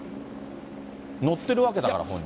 乗ってるわけだから、本人。